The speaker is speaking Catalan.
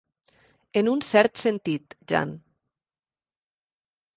En un cert sentit, jan.